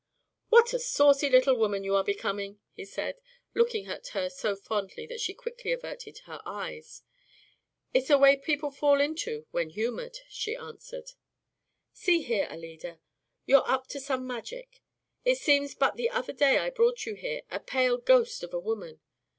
"What a saucy little woman you are becoming!" he said, looking at her so fondly that she quickly averted her eyes. "It's a way people fall into when humored," she answered. "See here, Alida, you're up to some magic. It seems but the other day I brought you here, a pale ghost of a woman.